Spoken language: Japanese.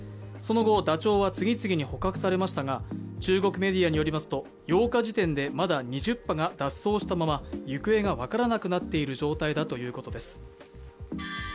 その後、ダチョウは次々に捕獲されましたが、中国メディアによりますと、８日時点でまだ２０羽が脱走したまま行方が分からなくなっている状態だということです。